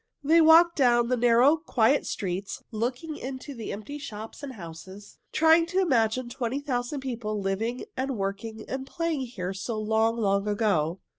They walked down the narrow, quiet streets, looking into the empty shops and houses, trying to imagine twenty thousand people living and working and playing here so long, long ago.